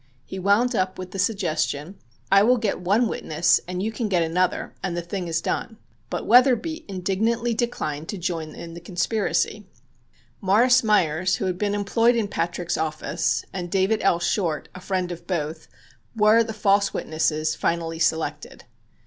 He wound up with the suggestion, "I will get one witness and you can get another, and the thing is done." But Wetherbee indignantly declined to join in the conspiracy. Morris Meyers, who had been employed in Patrick's office, and David L. Short, a friend of both, were the false witnesses finally selected.